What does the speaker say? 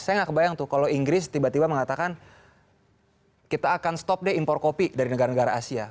saya nggak kebayang tuh kalau inggris tiba tiba mengatakan kita akan stop deh impor kopi dari negara negara asia